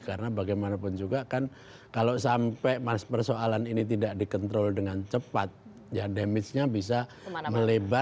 karena bagaimanapun juga kan kalau sampai mas persoalan ini tidak dikontrol dengan cepat ya damage nya bisa melebar